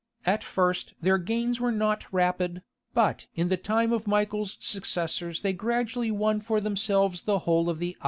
At first their gains were not rapid, but in the time of Michael's successors they gradually won for themselves the whole of the island.